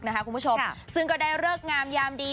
สิ่งพี่ก็ได้เลิกงามยามดี